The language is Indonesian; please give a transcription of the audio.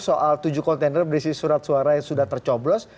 soal tujuh kontainer berisi surat suara yang sudah tercoblos